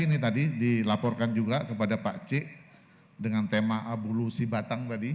ini tadi dilaporkan juga kepada pak c dengan tema abolusi batang tadi